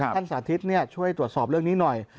สาธิตช่วยตรวจสอบเรื่องนี้หน่อย